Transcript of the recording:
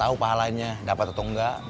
apa halanya dapat atau enggak